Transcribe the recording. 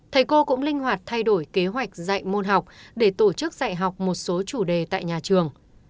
thầy cô cũng linh hoạt thay đổi kế hoạch dạy môn học để tổ chức dạy học một số chủ đề tại nhà trường